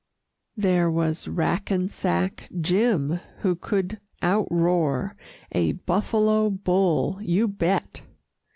There was Rackensack Jim, who could out roar A Buffalo Bull, you bet!